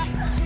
ada buaya ya